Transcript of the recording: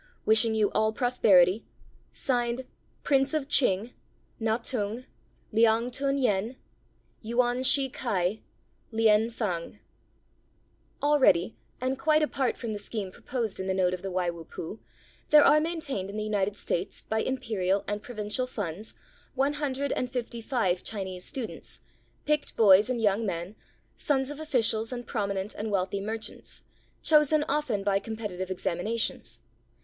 Wishing you all prosperity, (Signed) Prince of Ch'ing Yuan Shih K'ai, Na Tung, Lien Fang. Liang Tun Yen. [Already, and quite apart from the scheme proposed in the note of the Wai Wu Pu, there are maintained in the United States by Imperial and Provincial funds one hundred and fifty five Chinese students, picked boys and young men, sons of ofiicials and prominent and wealthy merchants, chosen often by competitive examinations.